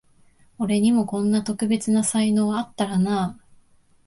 俺にもこんな特別な才能あったらなあ